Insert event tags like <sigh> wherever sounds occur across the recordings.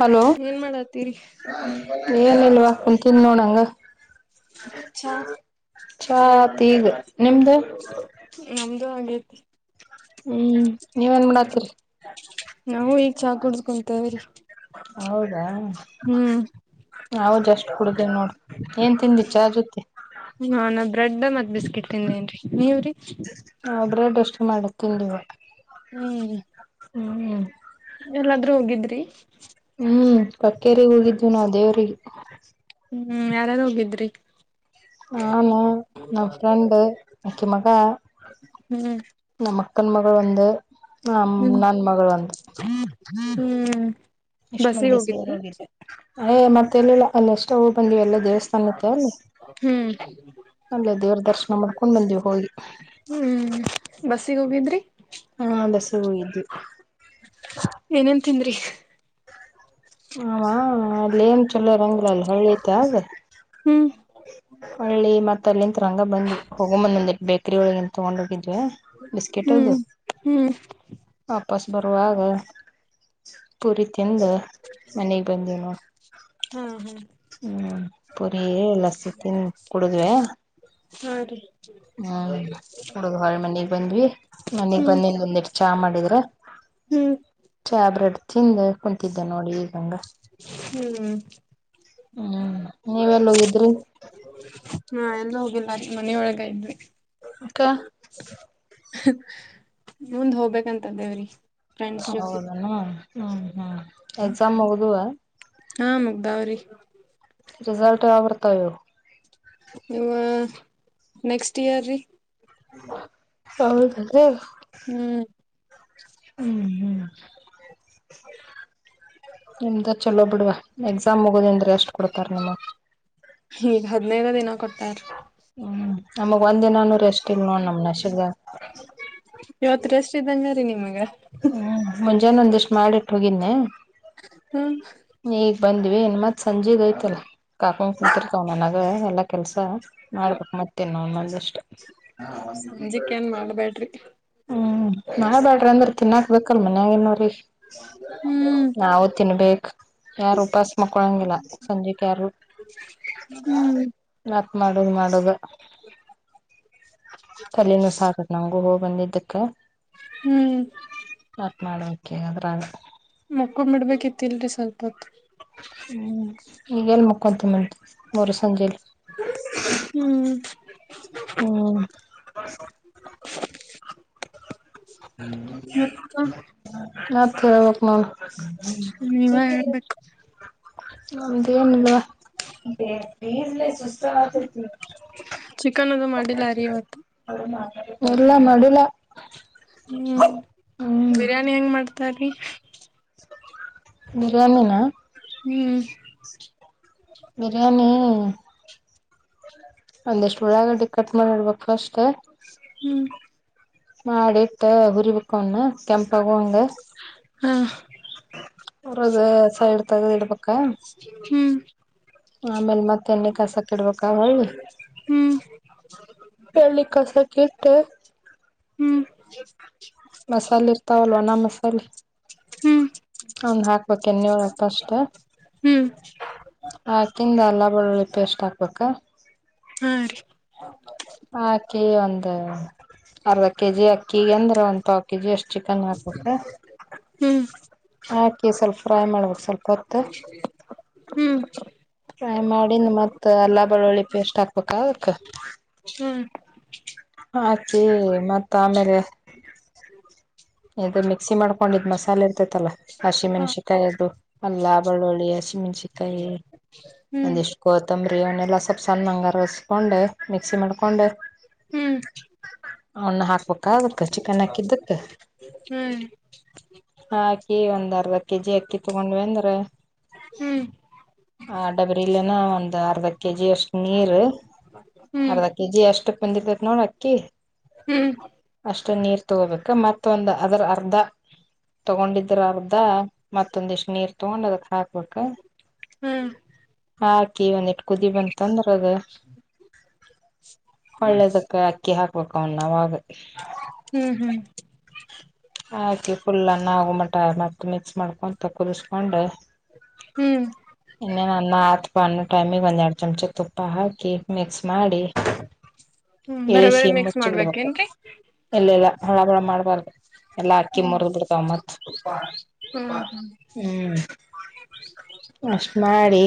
hello ಏನ್ ಮಾಡತ್ತೀರಿ ಏನಲ್ವಾ ಕು ತಿಿಂದ ನೋ ನಂಗ ಚಾ ಚಾ ಆಯ್ತು ಈಗ ನಿಮ್ದ ನಮ್ದು ಆಂಗೈತಿ ಹ್ಮ್ ನೀವ ನ್ ಮಾಡಾತರಿ ತ್ತರ್ ದಾ ಹೌದ್ ಅಷ್ಟ ಕುಡ್ದವಿ ನೋಡ ಏನ್ ತಿಂದಿ ಚಾ ಜೊತೆ ಹ ನಾ ಬ್ರೆಡ್ ಮತ್ ಬಿಸ್ಕಿಟ್ ತಿಂದೇನ್ೀ ನೀವ್ರೀ ಹ ಬ್ರೆಡ್ ಎಷ್ಟು ಮಾಡತ್ತನ್ ನೀವ ಹ್ಮ್ ಹ್ಮ್ ಎಲ್ಲಾದ್ರೂ ಹೋಗಿದ್ರಿ ಬಕ್ಕೇರೆಗ್ ಹೋಗಿದ್ವಿ ನಾವು ದೇವ್ರಿಗೆ ಹ್ಮ್ ಯಾರಾರು ಹೋಗಿದ್ರಿ ನಾನು ನ ಫ್ರೆಂಡ ಅಕ್ಕಿ ಮಗ ಹ್ಮ್ ನಮ್ಮ ಮಕ್ಕನ್ ಮಗಳು ಒಂದು ನನ್ ಮಗಳು ಒಂದು ಹ್ಮ್ ಎಷ್ಟ್ ಬಸ್ಸಿಗೆ ಮಂದಿ ಹೋಗಿದ್ರಿ ಸೇರಿದೆ ಅಯ ಮತ್ತ ಎಲ್ಲಿಲ್ಲ ಅಲ್ಲ ಎಷ್ಟ ಬಂದಿವ ಎಲ್ಲ ದೇವಸ ತಕ್ಕೆ ಅಲ್ಲಿ ಹ್ಮ್ ಅಲ್ಲೇ ದೇವ್ರ ದರ್ಶನ ಮಾಡ್ಕೊಂಡ್ ಬಂದಿವವಿ ಹೋಗಿ ಹ್ಮ್ ಬಸ್ಸಿಗೆ ಹೋಗಿದ್ರಿ ಹ್ಮ ಬಸ ಅಲಿ ಹೋಗಿದ್ವಿ ತಿಿಂದ್ರ ಹವಾ ಅಲ್ಲಿ ಏನ್ ಚಲೋ ರಂಗಿಲ್ಲ ಅಲ್ಲಿ ಹಳ್ಳಿ ಐತೆ ಆದ್ರೆ ಹ್ಮ್ ಹಳ್ಳಿ ಮತ್ತ ಅಲ್ಲಿಂತ ರಂಗ ಬಂದ್ ಹೋಗೊಂಬಂದಂದ ಬೇಕ್ರಿ ಒಳಗೆಂತ ತಗೊಂಡ್ ಹೋಗಿದ ಹ್ಮ್ ಬಿಿಸಕಿಟ್ದು ಹ್ಮ್ ವಾಪಸ್ ಬರುವಾಗ ಪೂರಿ ತಿಿಂದ ಮನೆಗ್ ಬಂದನು ಹಾ ಹಾ ಹ್ಮ್ ಪುರಿ ಲಸಿ ತಿನ್ ಕುಡುದ್ವೆ ಹಾ ರೀ ಹ್ಮ್ ಹುಡುಗ ಹೊರ ಮನಗ್ ಬಂದ್ವಿ ಮನಗ್ ಹ್ಮ್ ಬಂದಿ ಬಂದಿ ಚಾಮ ಮಾಡಿದ್ರೆ ಹ್ಮ್ ಚಾಬ್ರೆಡ್ ತಿಿಂದ ಕುಂತಿದ್ದೆ ನೋಡಿ ಈಗಂಗ ಹ್ಮ್ ಹ್ಮ್ ನೀವುಲ್ಲೋಗಿದ್ರಿ ಹಾ ಎಲ್ಲೂ ಹೋಗಿಲ್ಲ ಅ ಮನೆಯೊಳಗ ಇದ್ವಿ ಅಕ ಮುಂದ್ ಹೋಗ್ಬೇಕಂತ ದೇವ್ರಿ ಹೌದಣ ಹ್ಮ್ ಹ್ಮ್ ಎಕ್ಸಾಮ್ ಹೋಗದುವ ಹಾ ಮುಗ್ದಾವ್ರಿ ರಿಸಲ್ಟ್ ಯಾವಾಗ ಬರ್ತದೆ ನೀವು ನೆಕ್ಸ್ಟ್ ಇಯರ್ ರೀ ಹೌೆ ಹ್ಮ್ ಹ್ಮ್ ಹ್ಮ ನಿಮ್ದ ಚಲೋ ಬಿಡ್ವಾ ಎಕ್ಸಾಮ್ ಮುಗುದ ಅಂದ್ರೆ ಎಷ್ಟ್ ಕೊಡ್ತಾರ ನಿಮಗ್ ಹ್ಮ ಹಾಗ ಹ್ಮ್ ನಮಗ್ ಒಂದಿನಾನೂರು ಎಷ್ಟ ನಮ್ಮ ನಷ್ಟದ ಇವತ್ ರೆಸ್ಟ್ ಇದ್ದಂಗರೀ ನಿಮಗ ಹ್ಮ್ ಮುಂಜಾನೆ ಒಂದಿಷ್ಟ್ ಮಾಡಿಟ್ಟ ಹೋಗಿನೆ ಹ್ಮ್ ಬಂದ್ವಿ ಇನ್ನು ಮ ಸಂಜೆ ಯ್ತಲ್ಲ ಕಾಕೊಂಡ್ ಕುಂತರ್ಕಾವ ನನಗೆ ಎಲ್ಲ ಕೆಲಸ ಮಾಡ್ಬೇಕಕ್ ಮತ್ತೇ ನಂದಷ್ಟ ಸಂಜಿಕ್ ಏನ್ ಮಾಡ್ಬ್ಯಾಡ್ರಿ ಹ್ಮ್ ನಾವ ಬ್ಯಾಡ್ರಿ ಅಂದ್ರ ತಿನ್ನಾಕ್ಬೇಕಲ್ ಮನ್ಯಾಗ ಏನೋ ರೀ ಹೌ ನಾವವು ತಿನ್ಬೇಕೇ ಯಾರು ಉಪಾಸ ಮಕ್ಕೊಳಂಗಿಲ್ಲ ಸಂಜೆಕ್ ಯಾರು ಹ್ಮ್ ಹ ಮಾಡದ ಮಾಡದ ಕಲನೂ ಸಾಕತ್ ನಮಗು ಹೋಗ ಬಂದಿದ್ದಕ್ಕೆ ಹ್ಮ್ ಆತ್ ಮಾಡ್ಬೇಕಕ್ಕೆದ್ರಲ್ಲ ಮಕ್ಕು ಬಿಡ್ಬೇಕಿತಿಲ್ರಿೀ ಸ್ವಲ್ಪ ಹೊತ್ತು ಹ್ಮ್ ಈಗೆಲ್ ಮಕ್ಕೊಂತಿ ಮೂರು ಸಂಜೆೆಯಲ್ಲಿ ಹ್ಮ್ ಹ್ಮ ಮತ್ತ ಆ ರ ಹ ನೀವ ಹೇಳ್ಬೇಕು ನದೇನಲ್ಲ ಬಲ್ಲ ಸುಸ್ತತ ಚಿಕನ್ ಅದು ಮಾಡಿಲ್ಲಾರಿೀ ಇವತ್ತು ಒರ್ಲ್ಲ ಮಾಡಡುಲ ಹ್ಮ್ ಬಿರಿಯಾನಿ ಹೆಂಗ್ ಮಾಡ್ತಾರೀ ಬಿರಿಯಾನಿನ ಹ್ಮ್ ಬಿರಿಯಾನಿ ಒಂದ ಎಷ್ಟು ಒಳ್ಳಗ ಡಿ ಕಟ್ ಮಾಡಿಡ್ಬೇಕು ಫಷ್ಟೇ ಹ್ಮ್ ಹ ಆಡಟ್ಟ ಉರಿಬೇಕಕ್ಕ ಒ್ಣ ಕೆಂಪ ಆಗಂಗ ಹಾ ಹರದಸಾಯ ಎಡ್ತಾಗ ಇಡ ಪಕ್ಕ ಹ್ಮ್ ಆಮೇಲೆ ಮತ್ತೆ ಎಣ್ಣೆ ಕಸ ಕೆ ಇಡ್ಬೇಕಕ್ಳ್ಳಿ ಹ್ಮ್ ಕಾಸಕ್ ಇಟ್ಟು <inaudible> ಮಸಾಲೆ ಇರ್ತಾವಲ್ವ ನ ಮಸಾಲೆ ಹ್ಮ್ ಅವನ್ ಹಾಕ್ಬೇಕ ಎನ್ೋಪ್ಪ ಅಷ್ಟೆ ಹ್ಮ್ ಹ್ಮ್ ಚಿಂದ ಎಲ್ಲ ಬೆಳ್ಳುಳ್ಳಿ ಪೇಸ್ಟ್ ಹಾಕ್ಬೇಕ ಹಾ ರೀ ಅಕ್ಕಿ ಒಂದ ಅರ್ಧ ಕೆಜಿ ಅಕ್ಕಿಿಗೆಂದ್ರ ಒಂದ ಪಾವ ಕೆಜಿ ಅಷ್ಟು ಕನ್ನಕುಕ್ಕೆ ಹ್ಮ್ ಹಾಕಿ ಸ್ವಲ್ಪ ಫ್ರೈ ಮಾಡ್ಬೇಕು ಸ್ವಲ್ಪ ಹೊತ್ತ ಹ್ಮ್ ಫ್ರೈ ಮಾಡಿ ಮತ್ ಅಲ್ಲಾ ಬೆಳ್ಳುಳ್ಳಿ ಪೇಸ್ಟ್ ಹಾಕ್ಬೇಕಕ್ ಹ್ಮ್ ಹಾಕಿ ಮತ್ತ ಆಮೇಲೆ ಇದು ಮಿಕ್ಸಿ ಮಾಡ್ಕೊಂಡಿದ್ ಮಸಾಲೆ ಇರ್ತೇತಲ್ಲ ಹಾ ಹಸಿಮೆಣಸಕಾಯಿ ಅದು ಎಲ್ಲಾ ಬೆಳ್ಳುಳ್ಳಿ ಹಸಿಮೆಣಸಿಕಾಯಿ ಹ್ಮ್ ಒಂದಿಷ್ಟು ಕೊತಂಬರೀ ಅವನೆಲ್ಲ ಸ್ವಲ್ಪ ಸಣ್ಣ ಹಂಗಾರ ಹಚ್ಚಿಕೊಂಡು ಮಿಕ್ಸಿ ಮಾಡ್ಕೊಂಡೆ ಹ್ಮ್ ಅವನ್ನ ಹಾಕಬೇಕಾ ಹ ಚಿಕನ್ ಹಾಕಿದ್ದಕ್ಕ ಹ್ಮ್ ಹ ಅಕ್ಕಿ ಒಂದ್ ಅರ್ಧ ಕೆಜಿ ಅಕ್ಕಿ ತಗೊಂಡ್ವಿ ಅಂತ ಅಂದ್ರ ಹ್ಮ್ ಆ ಡಬರಿಲೆನ ಒಂದು ಅರ್ಧ ಕೆಜಿ ಅಷ್ಟು ನೀರು ಹ್ಮ್ ಅರ್ಧ ಕೆಜಿ ಎಷ್ಟು ಬಂದಿರ್ತತ್ ನೋಡ ಅಕ್ಕಿ ಹ್ಮ್ ಅಷ್ಟು ನೀರ್ ತಗೋಬೇಕ ಮತ್ತೊಂದ ಅದ್ರ ಅರ್ಧ ತಗೊಂಡಿದ್ರ ಅರ್ಧ ಮತ್ತೊಂದ ಇಷ್ಟ್ ನೀರ್ ತಗೊಂಡ್ ಅದಕ್ ಹಾಕ್ಬೇಕ ಹ್ಮ್ ಹಾಕಿ ಒಂದಿಟ್ಟ ಕುದಿ ಬಂತಂದ್ರ ಅದು ಒಳ್ಳೆದಕ್ಕೆ ಅಕ್ಕಿ ಹಾಕ್ಬೇಕ ಅವಾವಾಗ ಹ್ಮ್ ಹ್ಮ್ ಹಾಕಿ ಫುಲ್ ಅನ್ನ ಆಗೊಮಟ ಮತ್ ಮಿಕ್ಸ್ ಮಾಡಿಕೊಂಡು ಕುದಿಸ್ಕೊಂಡು ಹ್ಮ್ ಇನ್ನೇನ್ ಅನ್ನ ಆತಪ್ಪ ಅನ್ಮೋ ಟೈಮಿಗೆ ಒಂದ್ ಎರಡು ಚಮಚ ತುಪ್ಪ ಹಾಕಿ ಮಿಕ್ಸ್ ಮಾಡಿ ಹ್ಮ್ ಬರೋಬರಿ ಇಳಿಸಿ ಮಿಕ್ಸ್ ಮಾಡ್ಬೇಕೇನ್ರಿ ಹಹ ಮಾಡ್ಬಾರ್ದು ಎಲ್ಲಾ ಅಕ್ಕಿ ಮುರದ ಬಿಡ್ತಾವ ಮತ್ ಹ್ಮ್ ಹ್ಮ್ ಹ್ಮ್ ಅಷ್ಟ್ ಮಾಡಿ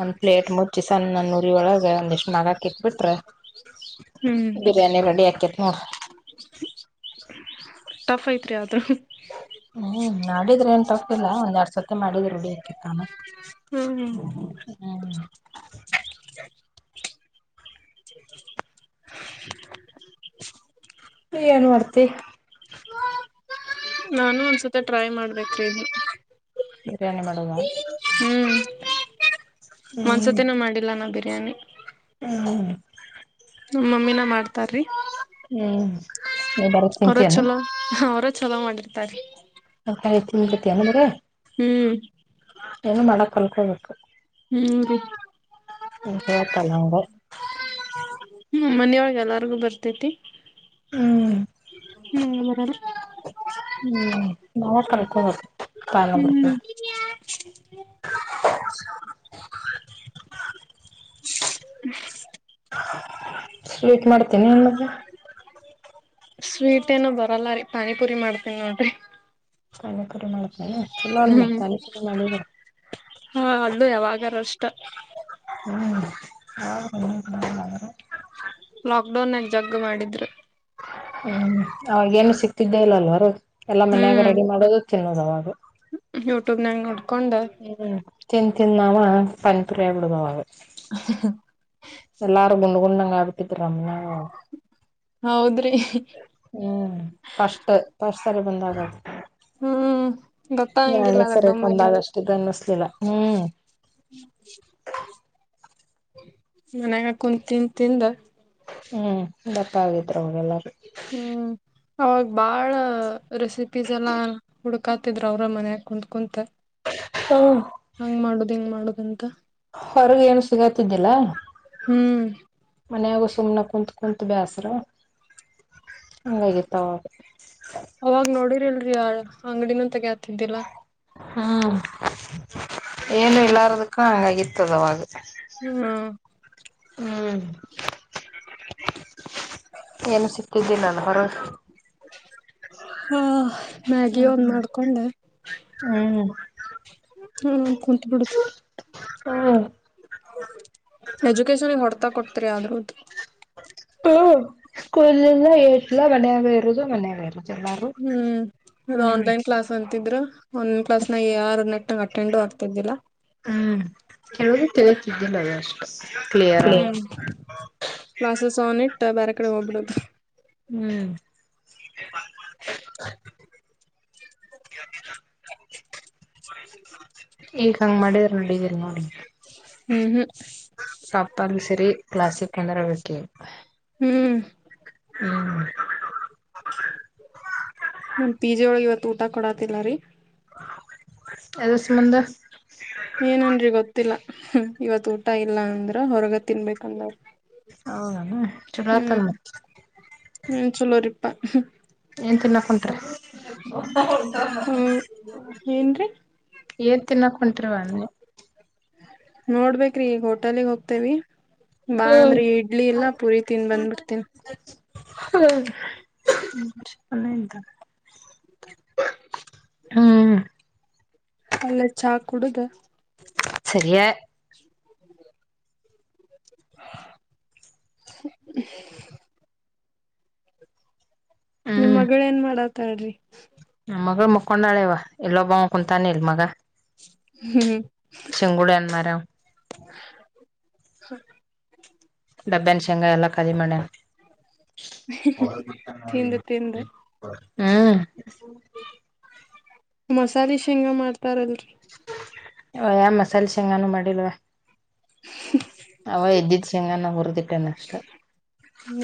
ಒಂದ್ ಪ್ಲೇಟ್ ಮುಚ್ಚಿ ಸಣ್ಣಂದ ಉರಿ ಒಳಗ ಒಂದಿಷ್ಟು ಮಾಡ ಹಾಕಿ ಇಟ್ಟುಬಿಟ್ರೆ ಹ್ಮ್ ಬಿರಿಯಾನಿ ರೆಡಿ ಹಾಕಿತೈತಿ ನೋಡ್ರಿ ಟಫ್ ಐತ್ರಿ ಆದು ಹ್ಮ್ ಮಾಡಿದ್ರೆನ್ ಟೂಫ್ ಇಲ್ಲ ಒಂದೆರಡು ಸತಿ ಮಾಡಿದ ರೂಢಿ ಆಕಿತ್ತಾನ ಹ್ಮ್ ಹ್ಮ್ ಹ್ಮ್ ಏನ್ ಮಾಡರ್ತಿ ನಾನು ಒಂದ್ಸತಿ ಟ್ರೈ ಮಾಡ್ಬೇಕ್ರೀ ಇದ್ನ ಬಿರಿಯಾನಿ ಮಾಡೋದು ಒಂದ್ಸತಿನೂ ಮಾಡಿಲ್ಲ ನಾ ಬಿರಿಯಾನಿ ಹ್ಮ ನಮ್ಮ ಮಮ್ಮಿನೇ ಮಾಡ್ತಾ ಹ್ಮ್ ನೀ ಬರ ಅವ್ರೋ ತಿಂತೀಯನು ಚಲೋ ಅವ್ರೋ ಚಲೋ ಮಾಡಿರ್ತಾರೆ <unintelligible> ಹ್ಮ್ ಇನ್ನು ಮಾಡಕ್ಕ ಕಲ್ತ್ಕೋಬೇಕು ಹ್ಮ್ ರೀ ಇದೆ ತಲೆನೋವು ಹ್ಮ್ ಮನೆಯೊಳಗೆ ಎಲ್ಲಾರ್ಗು ಬರ್ತೇತಿ ಹ್ಮ್ ಹ್ಮ್ ಬರಲ್ಲ ಹ್ಮ್ ನಾವ ಕಲ್ಕೋದು <unintelligible> <inaudible> ಸ್ವೀಟ್ ಮಾಡ್ತೀನಿ ಏನ್ ಮತ್ತೆ ಸ್ವೀಟ್ ಏನೋ ಬರಲ್ಲ ರೀ ಪಾನಿಪುರಿ ಮಾಡ್ತನಿ ನೋಡ್ರಿ ಪಾನಿಪುರಿ ಮಾಡ್ತಿಯೇನೋ ಚಲೋ ಅಲ್ಲ ಹ್ಮ್ ಪಾನಿಪುರಿ ಮಾಡೋದು ಹಾ ಅಲ್ಲೂ ಯಾವಾಗಾರಷ್ಟ ಹ್ಮಹ್ಮ್ಮ್ ಜಗ್ಗ ಮಾಡಿದ್ರು ಹ್ಮ್ ಅವಾಗ ಏನು ಸಿಕ್ತಿದ್ದೇ ಇಲ್ಲ ಅಲ್ವರು ಎಲ್ಲಾ ಮನ್ಯಾಗ ರೆಡಿ ಮಾಡೋದು ತಿನ್ನೋದು ಅವಾಗ ಯೂಟ್ಯೂಬ್ ನಾಗ ನೋಡ್ಕೊಂಡು ತಿಂದು ತಿಂದು ನಾವು ಪನಿಪುರಿ ಆಗಬಿಡೋದು ಅವಾಗ <inaudible> <unintelligible> ಹೌದ್ರಿ ಹ್ಮ್ ಕಷ್ಟ ಕಷ್ಟ ಸರಿ ಬಂದಾಗ ಹ್ಮ್ ಯಾನ ಗೊತ್ತಾಗಂಗಿಲ್ಲ ಅದ ಸರಿ ದಮ್ ಒಂದ ಆಗಿದ್ದ ಆಗಷ್ಟ ಇದ ಬನ್ನಿಸಲಿಲ್ಲ ಹ್ಮ್ ಹ್ಮ್ ಮನ್ಯಾಗ ಕುಂತ ತಿನ್ ತಿಂದ ಹ್ಮ್ ದಪ್ಪ ಆಗಿದ್ರ ಅವಗೆ ಎಲ್ಲಾರೂ ಹ್ಮ್ ಅವಾಗ ಬಾಳ ರೆಸಿಪೀಸ್ ಎಲ್ಲ ಹುಡ್ಕಾತಿದ್ರ ಅವ್ರ ಮನಯಾಗ ಕುತ್ ಕುಂತ ಹಂಗ್ ಮಾಡುದು ಹೆಂಗ್ ಮಾಡುದಂತ ಹೊರಗ ಏನು ಸಿಗತಿದ್ದಿಲ್ಲ ಹ್ಮ್ ಮನಯಾಗ ಸುಮ್ಮ್ನೆ ಕುೂತ್ು ಕುೂಂತು ಬೇಸರು ಹಾಗಿತ್ತಾವ ಅವಾಗ ನೋಡಿರಿಲ್ರಿ ಆ ಅಂಗಡಿನ ತಗತಿದ್ದಿಲ್ಲಾ ಹ್ಮ್ ಏನು ಇಲ್ಲಾರದಕ್ಕೂ ಆಗಿತ್ತದವಾಗ ಹ್ಮ್ ಹ್ಮ್ ಏನು ಸಿಕ್ತಿದ್ದಿ ನಾನು ಹೊರ ಹಾ ಮ್ಯಾಗಿ ಒಂದ್ ಹ್ಮ್ ಮಾಡ್ಕೊಂಡೆ ಹ್ಮ್ ಹಾ ಕುಂತ ಬಿಡತ ಹ್ಮ್ ಎಜುಕೇಶನ್ಗ ಹೊಡ್ತಾ ಕೊಡ್ತರಿ ಆದ್ರೂ್ದ ಸ್ಕೂಲ್ಂದ ಏಟ್ಲ ಮನಾಗೇ ಇರುದು ಮನಾಗ ಇರದು ಹ್ಮ್ ಅದು ಆನ್ಲೈನ್ ಕ್ಲಾಸ್ ಅಂತ ಒಂದ್ ಕ್ಲಾಸ್ ನಾಗ ಯಾರು ನೆಟ್ಟಂಗ ಅಟೆಂಡು ಆಗ್ತಿದ್ದಿಲ್ಲಾ ಹ್ಮ್ ಕೆೇಳ ತಿಳಿದ್ದಿಲ್ಲ ಅಷ್ಟೆ ಕ್ಲಾಸಸ್ ಆನ ಇಟ್ ಬೇರೆ ಕಡೆ ಹೋಗ್ಬಿಡದು ಹ್ಮ್ <inaudible> ಈಗ ಹಂಗ ಮಾಡಿದ್ರ ನೋಡಿದೀರಿ ನೋಡಿ ಹ್ಮ್ ಹ್ಮ್ ಕಂದ್ರ ಬೆಳಕ್ಕೆ ಹ್ಮ್ ಹ್ಮ ನಿಮ್ ಪಿಜೆ ಒಳಗೆ ಇವತ್ತು ಊಟ ಕೊಡತಿಲ್ಲ ರೀ ಅದ ಸಂಬಂಧ ಏನನ್ರರಿ ಗೊತ್ತಿಲ್ಲ ಇವತ್ ಊಟ ಇಲ್ಲ ಅಂದ್ರ ಹೊರಗ ತಿನ್ಬೇಕಂದವ್ರಿ ಹೌದನ ಚಲೋ ಹ್ಮ್ ಆತಲ್ ಮತ್ ಹ್ಮ್ ಸಲರಿಪ್ಪ ಏನ್ ತಿನ್ನಕ್ಂಟ್ರಿ ಹ್ಮ್ ಏನ್ರೀ ಏನ್ ತಿನ್ನಕ್ಂಟ್ರವಾನ್ನ ನೋಡ್ಬೇಕ್ರಿ ಈಗ ಹೋಟೆಲ್ಗೆ ಹೋಗ್ತೇವಿ ಬಾ ಅಂದ್ರೆ ಇಡ್ಲಿ ಇಲ್ಲ ಪುರಿ ತಿನ್ ಬಂದ್ಬಿಡ್ತೀನಿ ಹೌ ಇದ್ದ ಹ್ಮ್ ಅಲ್ಲ ಚಾ ಕುಡುದ ಸರಿಯಾ <inaudible> ನಿಮ್ ಹ್ಮ್ ಮಗಳ ಏನ್ ಮಾಡತ ಅಡ್ರಿ ನಮ್ ಮಗಳು ಮುಕೊಂಡಾಳೆವ ಎಲ್ಲೊಬ್ ಕುಂತಾನೆ ಇಲ್ ಮಗ ಹ್ಮ್ ಚೆಂಗುಡನ್ಮರಾ ಡಬ್ಬಾನ ಶೇಂಗಾ ಎಲ್ಲ ಖದಿ ಮಾಡ್ಯಣ ತಿಂದು ತಿಂದು ಹಾ ಮಸಾಲೆ ಶೇಂಗ ಮಾಡ್ತಾರಲ್ರಿ ಯಾ ಮಸಾಲೆ ಶೆಂಗಾನು ಮಾಡಿಲ್ವಾ ಅವ ಇದದ್ದಿದ್ದ ಶಂಗಾನ ಹುರ್ದಕ್ಕೆ ನಷ್ಟ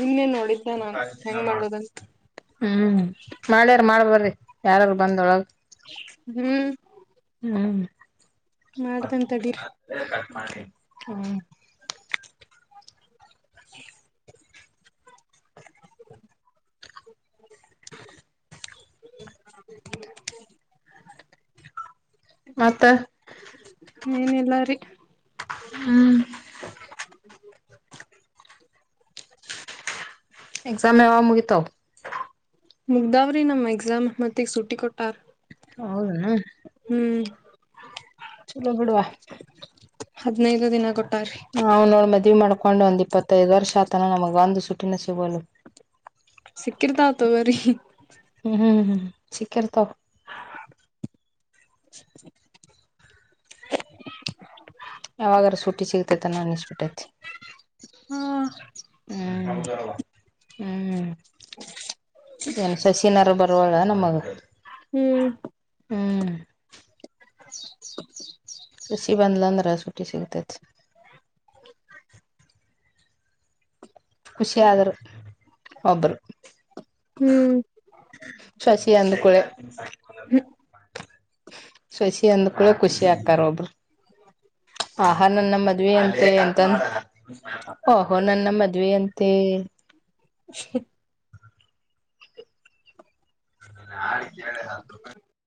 ನಿನ್ನೆನ್ ನೋಡಿದ್ದ ನಾನ್ ಹೆಂಗ್ ಮಾಡೋದಂತ ಹ್ಮ್ ಮಾಡ್ಯಾರ ಮಾಡ್ಬರ್ರಿ ಯಾರಾದೂ ಬಂದೊಳಗ ಹ್ಮ್ ಹ್ಮ್ ಮಾಡ್ತನ್ ತಡೀರಿ ಹ್ಮ್ <inaudible> <inaudible> ಮತ್ತ <inaudible> ಏನಿಲ್ಲಾರಿೀ <inaudible> ಹ್ಮ್ ಎಕ್ಸಾಮ್ ಯಾವ ಮುಗಿತಾವ ಮುಗಧಾವ್ರಿ ನಮ್ಮ್ ಎಕ್ಸಾಮ್ ಮತ್ತೆಗ್ ಸುಟ್ಟಿ ಕೊಟ್ಟಾರ್ ಹೌದಣ ಚಲೋ ಬಿಡುವ ಹದಿನೈದು ದಿನ ಕೊಟ್ಟು ಹಾ್ ನೋಡ್ ಮದ್ವಿ ಮಾಡ್ಕೊಂಡ ಕಕೊಂಡ್ ಒಂದ್ ಇಪ್ಪತ್ತೈದು ವರ್ಷ ಆತನ ನಮಗ್ ಒಂದು ಸುಟ್ಟಿನ ಸಿಗೋಲು ಸಿಕ್ಕಿರ್ತಾಾವ ಥಗೋರಿ ಹ್ಮ್ ಹ್ಮ್ ಚಕ್ಕರ್ತ <inaudible> ಯಾವಾಗ್ರ ಸುಟ್ಟಿ ಸಿಗ್ತೇತ ನ ಇಷ್ಟಬಿಟ್ಟೈತಿ ಹಾ ಹ್ಮ್ ಹ್ಮ್ ಏನ್ ಶಶಿನಾರ ಬರ್ವಳ ನಮ್ಮಗ ಹ್ಮ್ ಏನು ಇಲ್ಲ ಶಶಿ ಬಂದ್ಲು ಅಂದ್ರೆ ಸುಟ್ಟಿ ಸಿಗತ ಖುಷಿಯಾದರು ಒಬ್ಬರು ಹ್ಮ್ ಅಂದುಕಳೆ ಶಶಿ ಅಂದ್ ಕೂಡ ಖುಷಿ ಆತಾರ ಒಬ್ಬರು ಆಹ ನನ್ನ ಮದುವೆ ಅಂತೆ ಅ ಓಹೋ ನನ್ನ ಮದುವೆ ಅಂತೆ ಚಿ <inaudible> ಆ ಕೆ ಹತ <unintelligible>